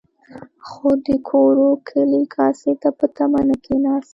خو د کورو کلي کاسې ته په تمه نه کېناست.